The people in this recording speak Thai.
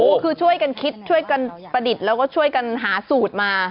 ก็คือช่วยกันคิดช่วยกันประดิษฐ์แล้วก็ช่วยกันหาสูตรมา